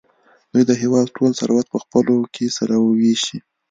دوی د هېواد ټول ثروت په خپلو کې سره وېشي.